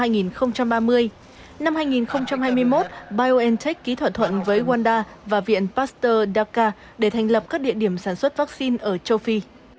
năm hai nghìn hai mươi một biontech ký thỏa thuận với wanda và viện pasteur dakar để thành lập các địa điểm sản xuất vắc xin ở châu phi